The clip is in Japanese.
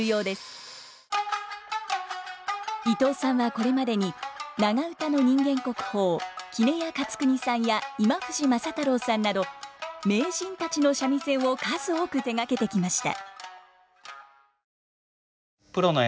伊藤さんはこれまでに長唄の人間国宝杵屋勝国さんや今藤政太郎さんなど名人たちの三味線を数多く手がけてきました。